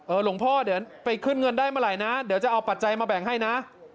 หลวงพ่อเดี๋ยวไปขึ้นเงินได้เมื่อไหร่นะเดี๋ยวจะเอาปัจจัยมาแบ่งให้นะ